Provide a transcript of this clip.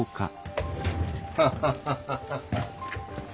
ハハハハハ。